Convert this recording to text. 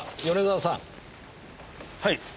はい。